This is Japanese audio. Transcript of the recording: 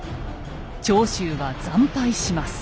長州は惨敗します。